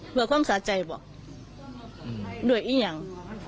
เพราะความสะใจหรือเปล่าด้วยอย่าง